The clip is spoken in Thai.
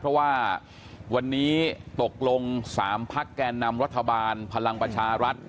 เพราะว่าวันนี้ตกลง๓พักแก่นำรัฐบาลพลังประชารัฐ